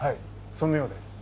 そのようです。